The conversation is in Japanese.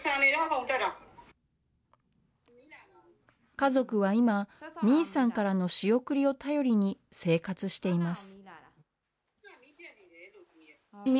家族は今、ニンさんからの仕送りを頼りに生活しています。